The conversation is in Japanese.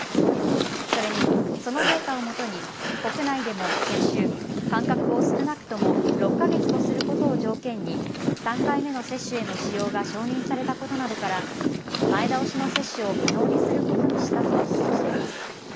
それに、そのデータをもとに国内でも先週、間隔を少なくとも６か月とすることを条件に３回目の接種への使用が承認されたことなどから前倒しの接種を可能にすることにしたとしています。